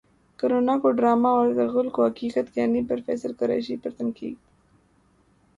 corona کو drama اور Ertugrul کو حقیقت کہنے پر فیصل قریشی پر تنقید